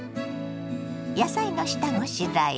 野菜の下ごしらえ。